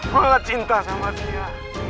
gue gak cinta sama dia